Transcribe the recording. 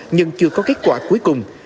nhưng chưa có kết quả cuối cùng